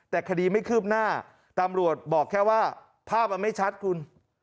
แต่คดีไม่คืบหน้าตำรวจบอกแค่ว่าภาพมันไม่ชัดคุณ